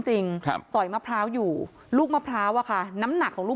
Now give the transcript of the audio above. เอกสารเอกสารอะไรบ้างครับ